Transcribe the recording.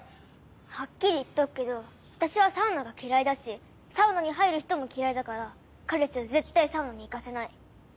はっきり言っとくけど私はサウナが嫌いだしサウナに入る人も嫌いだから彼氏は絶対サウナに行かせない！